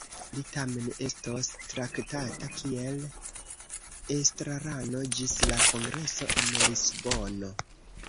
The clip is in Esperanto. Li tamen estos traktata kiel estrarano ĝis la kongreso en Lisbono.